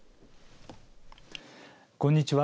こんにちは。